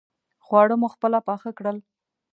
خواړه مو خپله پاخه کړل.